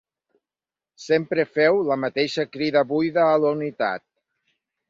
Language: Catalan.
Sempre feu la mateixa crida buida a la unitat.